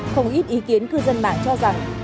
không ít ý kiến cư dân mạng cho rằng